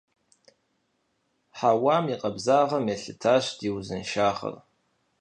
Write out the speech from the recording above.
Хьэуам и къабзагъым елъытащ ди узыншагъэр.